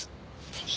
ぜひ。